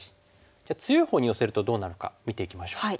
じゃあ強いほうに寄せるとどうなるか見ていきましょう。